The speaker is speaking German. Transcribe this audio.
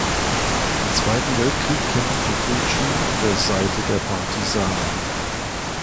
Im Zweiten Weltkrieg kämpfte Fulci an der Seite der Partisanen.